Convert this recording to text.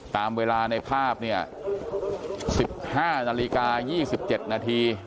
ตามเวลาในภาพเนี่ย๑๕นาฬิกา๒๗นาที